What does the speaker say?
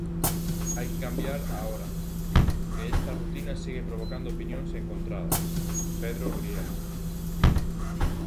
Hai que cambiar a hora, e esta rutina segue provocando opinións encontradas, Pedro Rielo.